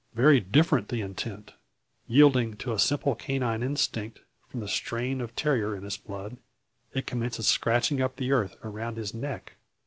Very different the intent. Yielding to a simple canine instinct, from the strain of terrier in its blood, it commences scratching up the earth around his neck!